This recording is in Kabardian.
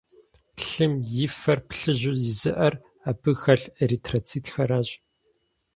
Лъым и фэр плыжьу изыӀэр абы хэлъ эритроцитхэращ.